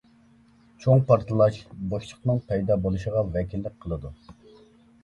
چوڭ پارتلاش بوشلۇقنىڭ پەيدا بولۇشىغا ۋەكىللىك قىلىدۇ.